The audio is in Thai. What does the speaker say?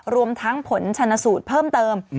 รวมทั้งผลชนสูตรเพิ่มเติม